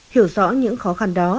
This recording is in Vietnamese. hiểu rõ những khó khăn đó